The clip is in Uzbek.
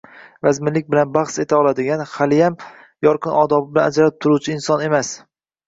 vazminlik bilan bahs eta oladigan, haliym, yorqin odobi bilan ajralib turuvchi inson emas